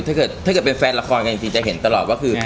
ถ้าเกิดเป็นแฟนละครกันจริงจะเห็นตลอดว่าคือ